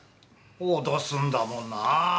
脅すんだもんなぁ。